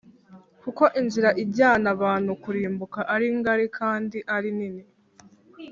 Kuko inzira ijyana abantu kurimbuka ari ngari kandi ari nini